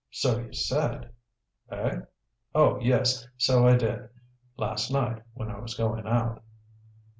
"So you said." "Eh? Oh, yes, so I did. Last night, when I was going out."